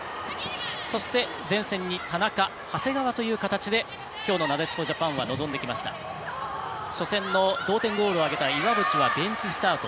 そして、前線に田中長谷川という形できょうのなでしこジャパンは臨んできました初戦の同点ゴールを挙げた岩渕はベンチスタート。